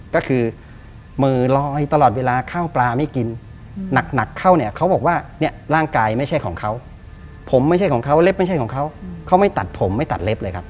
ก็คือมือลอยตลอดเวลาข้าวปลาไม่กินหนักเข้าเนี่ยเขาบอกว่าเนี่ยร่างกายไม่ใช่ของเขาผมไม่ใช่ของเขาเล็บไม่ใช่ของเขาเขาไม่ตัดผมไม่ตัดเล็บเลยครับ